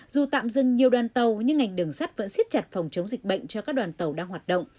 dù tạm dừng nhiều đoàn tàu nhưng ngành đường sắt vẫn siết chặt phòng chống dịch bệnh cho các đoàn tàu đang hoạt động